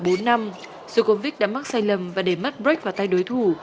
djokovic đã mắc sai lầm và để mất break vào tay đối thủ